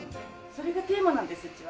それがテーマなんですうちは。